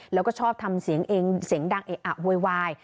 แล้วก็ชอบทำเสียงดังเอ๊ะอ่ะโหยวาย